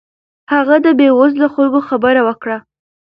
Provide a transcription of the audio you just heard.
هغه د بې وزلو خلکو خبره وکړه.